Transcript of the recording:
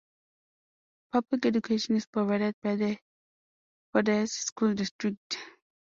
Public education is provided by the Fordyce School District.